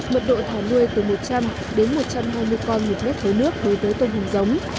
mật độ thả nuôi từ một trăm linh đến một trăm hai mươi con một mét khối nước đối với tôm hùm giống